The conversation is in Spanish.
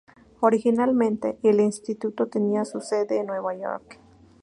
Originalmente, el Instituto tenía su sede en Nueva York.